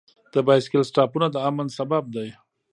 د بایسکل سټاپونه د امن سبب دی.